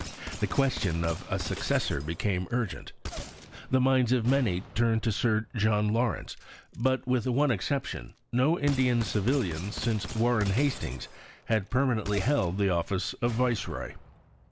The question of a successor became urgent. The minds of many turned to Sir John Lawrence, but, with one exception, no Indian civilian since Warren Hastings had permanently held the office of Viceroy.